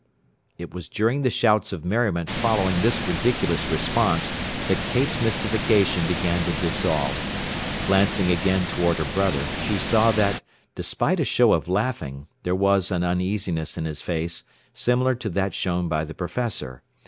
It was during the shouts of merriment following this ridiculous response that Kate's mystification began to dissolve. Glancing again toward her brother, she saw that, despite a show of laughing, there was an uneasiness in his face similar to that shown by the professor.